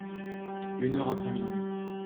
Une heure après minuit.